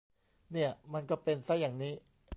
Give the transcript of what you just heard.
เนี่ย มันก็เป็นซะอย่างนี้